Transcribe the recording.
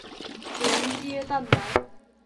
连接蛋白。